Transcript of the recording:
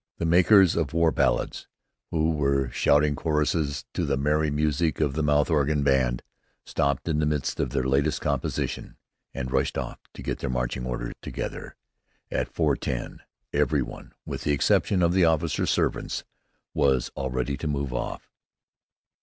The makers of war ballads, who were shouting choruses to the merry music of the mouth organ band, stopped in the midst of their latest composition, and rushed off to get their marching order together. At 4.10 every one, with the exception of the officers' servants, was ready to move off.